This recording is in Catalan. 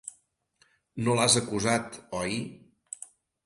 No l'has acusat, oi?